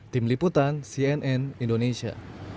tim liputan cnn indonesia